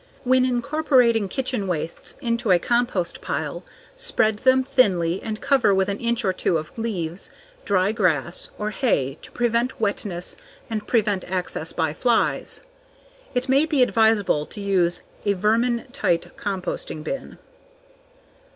When incorporating kitchen wastes into a compost pile, spread them thinly and cover with an inch or two of leaves, dry grass, or hay to adsorb wetness and prevent access by flies. It may be advisable to use a vermin tight composting bin.